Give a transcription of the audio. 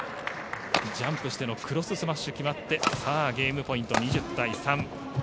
ジャンプしてのクロススマッシュが決まってさあ、ゲームポイント２０対３。